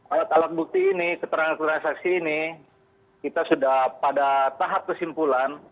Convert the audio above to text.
alat alat bukti ini keterangan keterangan saksi ini kita sudah pada tahap kesimpulan